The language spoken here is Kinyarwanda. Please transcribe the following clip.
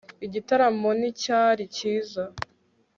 igitaramo nticyari cyiza